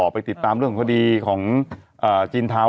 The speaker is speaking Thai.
ไปติดตามเรื่องของคดีของจีนเทา